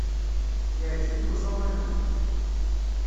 Yeɛjeb-ik uẓawan-a?